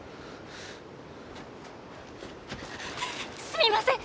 すみません！